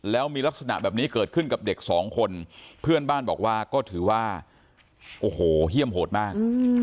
แล้วมีลักษณะแบบนี้เกิดขึ้นกับเด็กสองคนเพื่อนบ้านบอกว่าก็ถือว่าโอ้โหเฮี่ยมโหดมาก